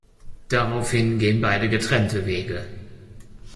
Daraufhin gehen beide getrennte Wege.